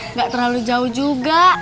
nggak terlalu jauh juga